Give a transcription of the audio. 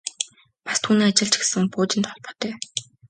Бас түүний ажил ч гэсэн пуужинтай холбоотой.